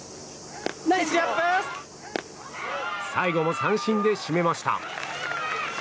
最後も三振で締めました。